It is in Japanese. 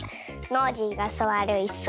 ノージーがすわるいす。